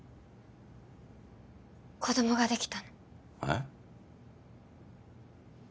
子供ができたのえっ？